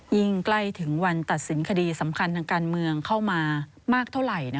ใกล้ถึงวันตัดสินคดีสำคัญทางการเมืองเข้ามามากเท่าไหร่